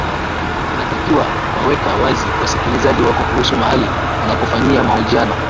inatakiwa kuwaweka wazi wasikilizaji wako kuhusu mahali unapofanyia mahojiano